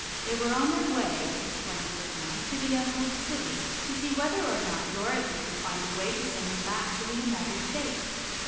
They were on their way, explained the clown, to the Emerald City to see whether or not Dorothy could find a way to send them back to the United States.